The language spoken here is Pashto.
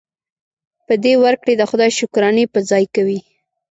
په دې ورکړې د خدای شکرانې په ځای کوي.